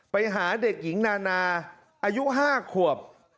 ไปหาเด็กหญิงนานาอายุ๕ขวบ